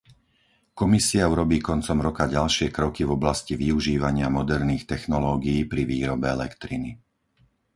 Komisia urobí koncom roka ďalšie kroky v oblasti využívania moderných technológií pri výrobe elektriny.